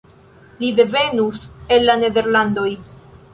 Li devenus el la Nederlandoj.